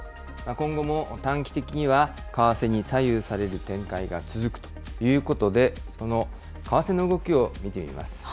今後も短期的には為替に左右される展開が続くということで、その為替の動きを見てみます。